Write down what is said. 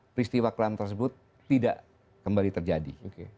peristiwa kelam tersebut tidak kembali terjadi